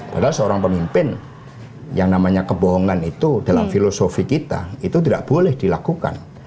padahal seorang pemimpin yang namanya kebohongan itu dalam filosofi kita itu tidak boleh dilakukan